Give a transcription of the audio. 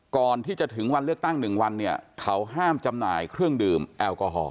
ก่อนที่จะถึงวันเลือกตั้ง๑วันเนี่ยเขาห้ามจำหน่ายเครื่องดื่มแอลกอฮอล